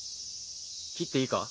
切っていいか？